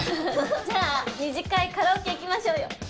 じゃあ２次会カラオケ行きましょうよ。